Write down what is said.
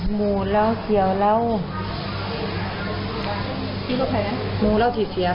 หนูเล่าที่เชียบไป